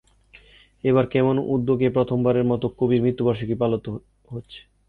এবার কেমন উদ্যোগে প্রথমবারের মতো কবির মৃত্যুবার্ষিকী পালিত হচ্ছে?